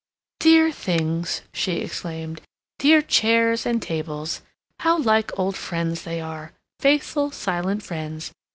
"Dear things!" she exclaimed. "Dear chairs and tables! How like old friends they are—faithful, silent friends.